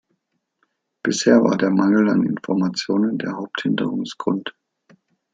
Bisher war der Mangel an Informationen der Haupthinderungsgrund.